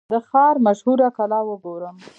د ښار مشهوره کلا وګورم.